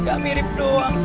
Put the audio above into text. gak mirip doang